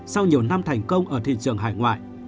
sau nhiều năm thành công ở thị trường hải ngoại